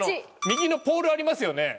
右のポールありますよね？